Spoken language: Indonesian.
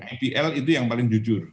ipl itu yang paling jujur